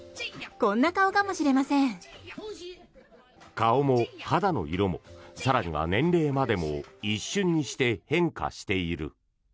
顔も、肌の色も更には年齢までも一瞬にして変化している。